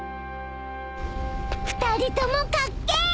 ［２人ともかっけ！］